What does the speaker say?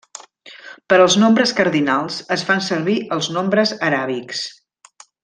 Per als nombres cardinals es fan servir els nombres aràbics.